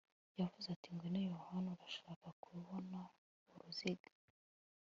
Yavuze ati Ngwino Yohana urashaka kubona uruziga